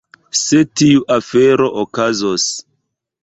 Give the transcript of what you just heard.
Se tiu afero okazos.